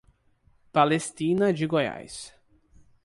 Palestina de Goiás